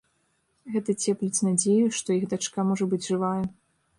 Гэта цепліць надзею, што іх дачка можа быць жывая.